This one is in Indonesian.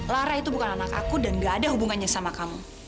lara itu bukan anak aku dan gak ada hubungannya sama kamu